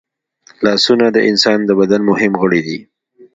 لاسونه د انسان د بدن مهم غړي دي